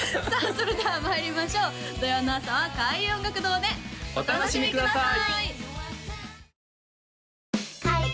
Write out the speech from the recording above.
それではまいりましょう土曜の朝は開運音楽堂でお楽しみください